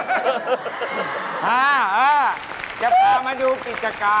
อ่าจะพามาดูกิจการ